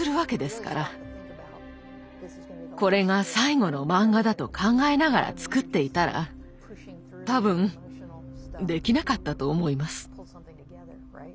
これが最後のマンガだと考えながら作っていたら多分できなかったと思います。